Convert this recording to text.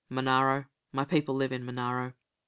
"Monaro my people live in Monaro."